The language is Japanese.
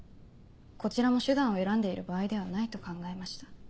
こちらも手段を選んでいる場合ではないと考えました。